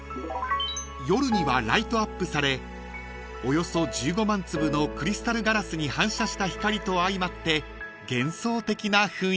［夜にはライトアップされおよそ１５万粒のクリスタルガラスに反射した光と相まって幻想的な雰囲気に］